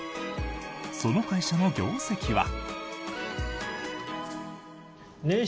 その会社の業績は。